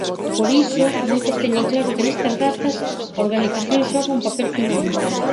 Por iso, moitos teñen claro que nestas datas a organización xoga un papel fundamental...